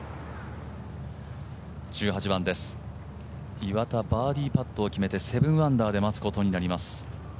１８番です、岩田バーディーパットを決めて、７アンダーで待つことになります。